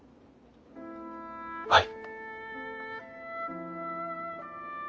はい。